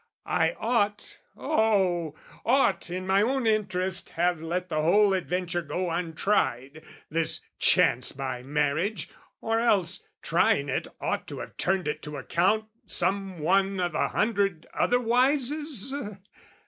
I ought...oh, ought in my own interest Have let the whole adventure go untried, This chance by marriage, or else, trying it, Ought to have turned it to account some one O' the hundred otherwises?